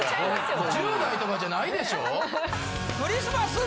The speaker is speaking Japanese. １０代とかじゃないでしょ。